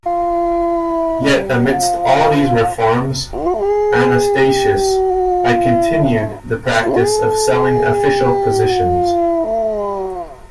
Yet amidst all these reforms, Anastasius I continued the practice of selling official positions.